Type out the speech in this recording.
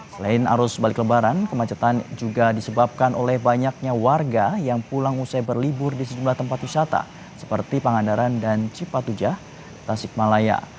selain arus balik lebaran kemacetan juga disebabkan oleh banyaknya warga yang pulang usai berlibur di sejumlah tempat wisata seperti pangandaran dan cipatujah tasikmalaya